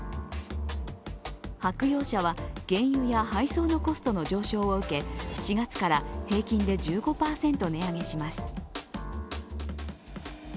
白洋舍は原油や配送のコストの上昇を受け、４月から平均で１５％値上げします。